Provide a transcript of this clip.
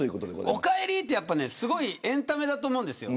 お帰りって、すごいエンタメだと思うんですよ。